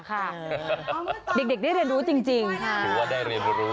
บางคนได้เรียนรู้จริงค่ะดูว่าเรียนรู้